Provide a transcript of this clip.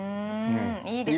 いいですね。